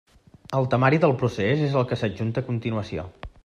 El temari del procés és el que s'adjunta a continuació.